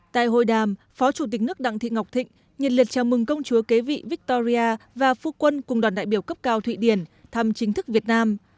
tại hội đàm phó chủ tịch nước đặng thị ngọc thịnh nhận liệt chào mừng công chúa kế vị victoria và phu quân cùng đoàn đại biểu cấp cao thụy điển thăm chính thức việt nam